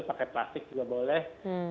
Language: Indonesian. pakai plastik juga boleh